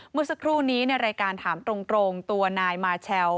เมื่อสักครู่นี้ในรายการถามตรงตัวนายมาเชล